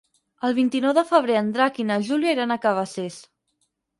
El vint-i-nou de febrer en Drac i na Júlia iran a Cabacés.